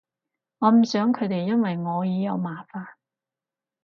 我唔想佢哋因為我而有麻煩